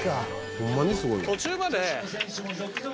「ホンマにすごい」